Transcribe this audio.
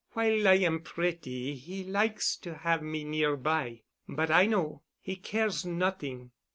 "While I am pretty he likes to have me nearby. But I know. He cares not'ing.